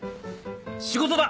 仕事だ！